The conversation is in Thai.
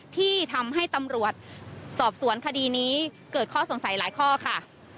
ที่ทำให้ตำรวจสอบสวนคดีนี้เกิดข้อสงสัยหลายข้อค่ะ